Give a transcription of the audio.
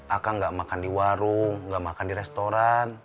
akang gak makan di warung gak makan di restoran